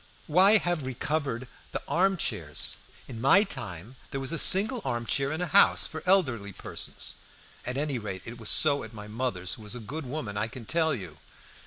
Why have recovered the arm chairs? In my time there was a single arm chair in a house, for elderly persons at any rate it was so at my mother's, who was a good woman, I can tell you.